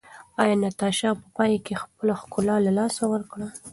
ایا ناتاشا په پای کې خپله ښکلا له لاسه ورکړه؟